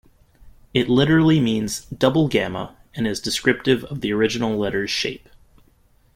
It literally means "double gamma" and is descriptive of the original letter's shape.